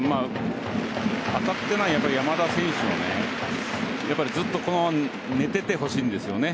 当たってない山田選手のずっとこのまま寝ててほしいんですよね。